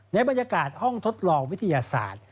ในบรรยากาศห้องทดลองวิทยาศาสตร์